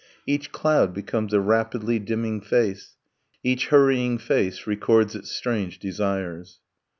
Each cloud becomes a rapidly dimming face, Each hurrying face records its strange desires.